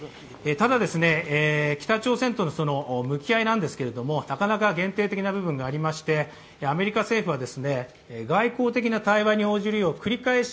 ただ、北朝鮮との向き合いなんですけれども、なかなか限定的な部分がありましてアメリカ政府は外交的な対話に応じるよう繰り返し